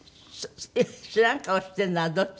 えっ知らん顔しているのはどっち？